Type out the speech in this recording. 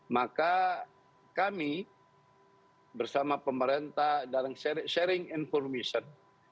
maka kami bersama pemerintah dalam sharing information